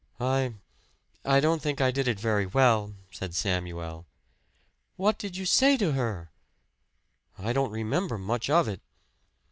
"I I don't think I did it very well," said Samuel. "What did you say to her?" "I don't remember much of it."